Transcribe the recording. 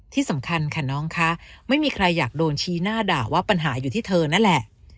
ที่สำคัญค่ะน้องคะไม่มีใครอยากโดนชี้หน้าด่าว่าปัญหาอยู่ที่เธอนั่นแหละ